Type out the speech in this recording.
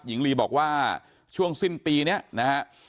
หญิงลีบอกว่าช่วงสิ้นปีนี้นะฮะ